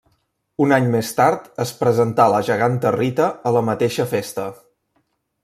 Un any més tard es presentà la geganta Rita a la mateixa festa.